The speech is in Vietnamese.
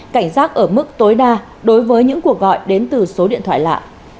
cảnh giác ở mức tối đa đối với những cuộc gọi đến từ số điện thoại lạ